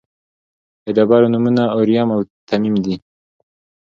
د ډبرو نومونه اوریم او تمیم دي.